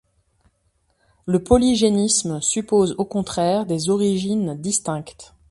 Le polygénisme suppose au contraire des origines distinctes.